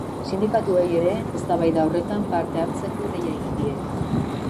Sindikatuei ere eztabaida horretan parte hartzeko deia egin die.